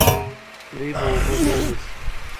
دوی به اوبه بیا نیسي.